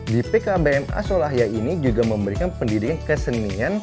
di pkbm asolahya ini juga memberikan pendidikan kesenian